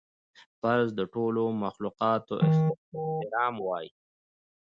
فرض د ټولو مخلوقاتو احترام وای